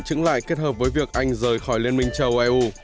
chứng lại kết hợp với việc anh rời khỏi liên minh châu âu